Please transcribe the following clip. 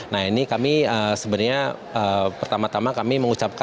nah ini kami sebenarnya pertama tama kami mengucapkan